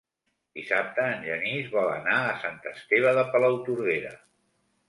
Dissabte en Genís vol anar a Sant Esteve de Palautordera.